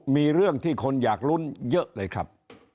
มีเรื่องที่คนอยากลุ้นเยอะเลยครับ